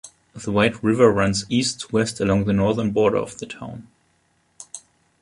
The White River runs East to West along the northern border of the Town.